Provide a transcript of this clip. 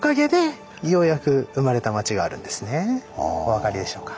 お分かりでしょうか？